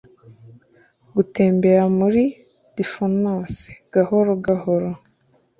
gutembera muri diaphanous gahoro gahoro